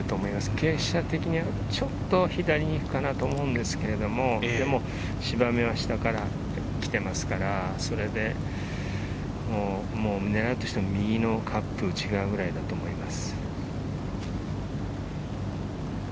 傾斜的にちょっと左に行くかなと思うんですけれども、芝目は下から来ていますから、狙うとしても右のカップ内側ぐらいだと思います。